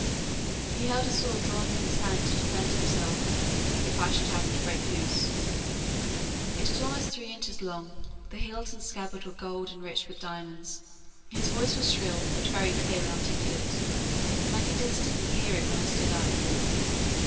He held his sword drawn in his hand to defend himself, if I should happen to break loose; it was almost three inches long; the hilt and scabbard were gold enriched with diamonds. His voice was shrill, but very clear and articulate; and I could distinctly hear it when I stood up.